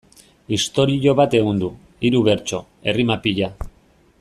Istorio bat ehundu, hiru bertso, errima pila...